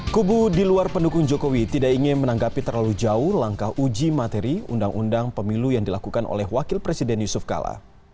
kubu di luar pendukung jokowi tidak ingin menanggapi terlalu jauh langkah uji materi undang undang pemilu yang dilakukan oleh wakil presiden yusuf kala